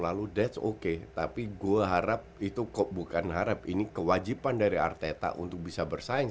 lalu that s oke tapi gua harap itu kok bukan harap ini kewajiban dari arteta untuk bisa bersaing